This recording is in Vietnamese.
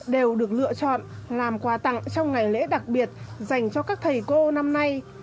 đều được lựa chọn làm quà tặng trong ngày lễ đặc biệt dành cho các thầy cô năm nay